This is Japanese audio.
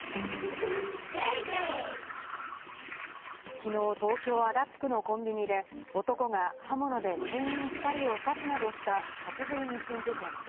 きのう東京・足立区のコンビニで男が刃物で店員２人を刺すなどした殺人未遂事件。